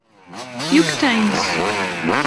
E o que tem isso?